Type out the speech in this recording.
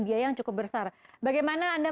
biaya yang cukup besar bagaimana anda